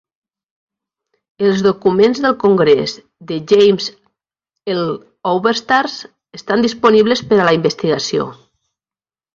Els documents del congrés de James L. Oberstar estan disponibles per a la investigació.